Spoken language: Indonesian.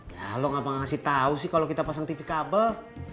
ya mah aku ngasih tau sih kalo kita pasang tv kabel